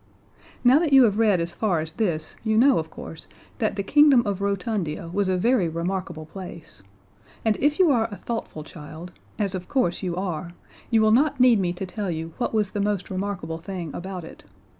Now that you have read as far as this you know, of course, that the Kingdom of Rotundia was a very remarkable place; and if you are a thoughtful child as of course you are you will not need me to tell you what was the most remarkable thing about it.